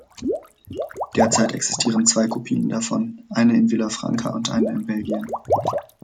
Derzeit existieren zwei Kopien davon, eine in Vilafranca und eine in Belgien.